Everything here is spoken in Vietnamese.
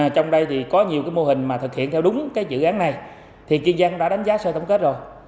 trong đây thì có nhiều cái mô hình mà thực hiện theo đúng cái dự án này thì kiên giang đã đánh giá sơ tổng kết rồi